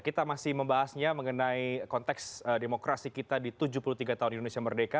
kita masih membahasnya mengenai konteks demokrasi kita di tujuh puluh tiga tahun indonesia merdeka